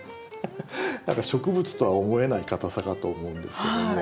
何か植物とは思えないかたさかと思うんですけども。